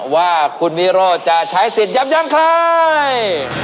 ว่าคุณวิโร่จะใช้สิทธิ์ย้ำใคร